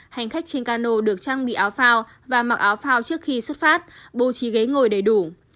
hành khách trên cano được trang bị áo phao và mặc áo phao trước khi xuất phát bố trí ghế ngồi đầy đủ